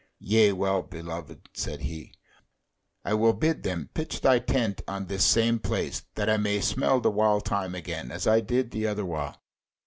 "Yea, well beloved," said he, "I will bid them pitch thy tent on this same place, that I may smell the wild thyme again, as I did that other while."